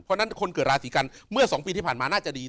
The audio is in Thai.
เพราะฉะนั้นคนเกิดราศีกันเมื่อ๒ปีที่ผ่านมาน่าจะดี